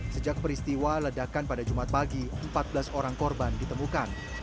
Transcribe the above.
sejak peristiwa ledakan pada jumat pagi empat belas orang korban ditemukan